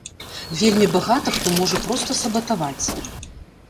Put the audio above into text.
Вельмі багата хто можа проста сабатаваць.